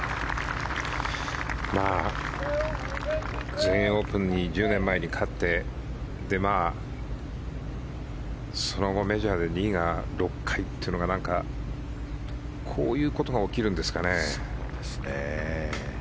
全英オープンに１０年前に勝ってその後、メジャーで２位が６回っていうのがなんかこういうことが起きるんですかね。